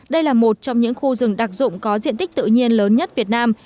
đây là một trong những khu rừng đặc dụng có diện tích tự nhiên lớn nhất việt nam